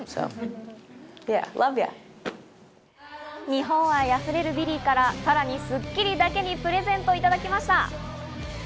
日本愛溢れるビリーからさらに『スッキリ』だけにプレゼントをいただきました。